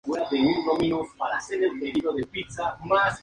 Estudió en Vich, y posteriormente en la Escuela de la Lonja, en Barcelona.